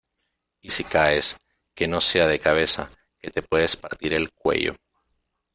y si caes, que no sea de cabeza , que te puedes partir el cuello.